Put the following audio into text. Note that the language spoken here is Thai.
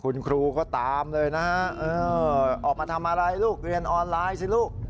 คุณครูก็ตามเลยนะฮะออกมาทำอะไรลูกเรียนออนไลน์สิลูก